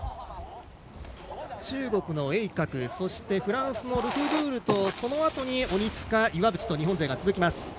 中国の栄格そしてフランスのルフーブルとそのあとに鬼塚、岩渕と日本勢が続きます。